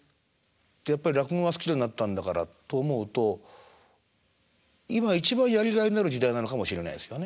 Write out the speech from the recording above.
やっぱり落語が好きでなったんだからと思うと今一番やりがいのある時代なのかもしれないですよね